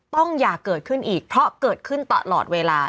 อย่าเกิดขึ้นอีกเพราะเกิดขึ้นตลอดเวลา